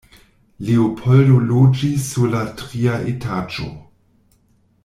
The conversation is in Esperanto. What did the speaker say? Leopoldo loĝis sur la tria etaĝo.